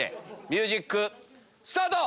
ミュージックスタート！